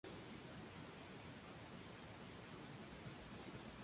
Esta actitud, costumbre propia de otros lugares, no tiene evidencia documental en Gerona.